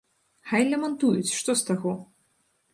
Хай лямантуюць, што з таго?!